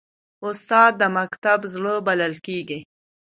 استاد د مکتب زړه بلل کېږي.